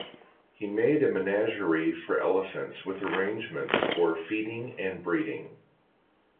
He made a menagerie for elephants with arrangements for feeding and breeding.